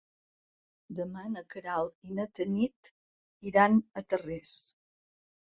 Demà na Queralt i na Tanit iran a Tarrés.